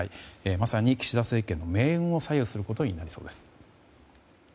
まさに岸田政権の命運を左右することになりそうです。